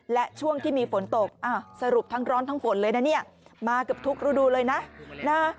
และช่วงที่มีฝนตกสรุปทั้งร้อนทั้งฝนเลยนะเนี่ยมาเกือบทุกฤดูเลยนะ